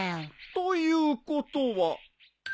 ということは。